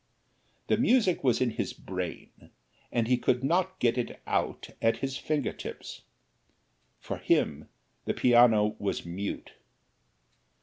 The music was in his brain and he could not get it out at his finger tips for him the piano was mute.